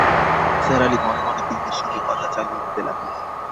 নিসার আলি মনে-মনে তিমির সঙ্গে কথা চালিয়ে যেতে লাগলেন।